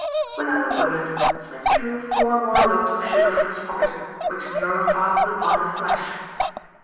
Without a word, Smith drew four more lumps of sugar from his pocket, which Nero fastened upon in a flash.